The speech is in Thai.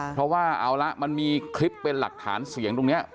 เพราะว่าเอาละมันมีคลิปเป็นหลักฐานเสียงตรงนี้